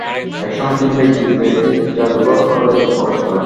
একসময় তিনি ব্যক্তি উদ্যোগে একটি জাদুঘর করার ইচ্ছা প্রকাশ করেন।